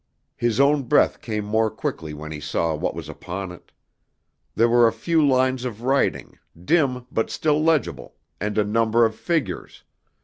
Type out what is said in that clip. His own breath came more quickly when he saw what was upon it. There were a few lines of writing, dim but still legible, and a number of figures.